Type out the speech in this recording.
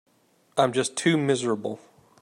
I'm just too miserable.